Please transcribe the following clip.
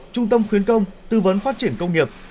trung tâm khuyến công tư vấn phát triển công nghiệp